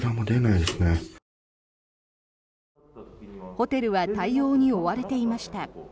ホテルは対応に追われていました。